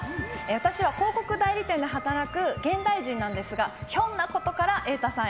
私は広告代理店で働く現代人なんですがひょんなことから瑛太さん